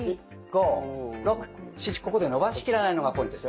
ここで伸ばしきらないのがポイントです。